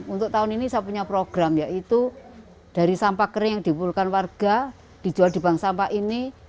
untuk tahun ini saya punya program yaitu dari sampah kering yang dipuluhkan warga dijual di bank sampah ini